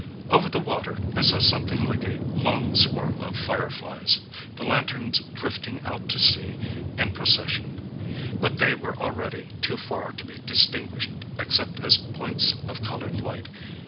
Over the water I saw something like a long swarm of fire flies,—the lanterns drifting out to sea in procession; but they were already too far to be distinguished except as points of colored light.